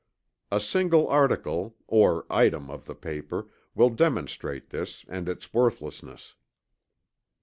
A single article, or item of the paper will demonstrate this and its worthlessness.